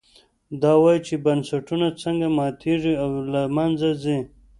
دا وایي چې بنسټونه څنګه ماتېږي او له منځه ځي.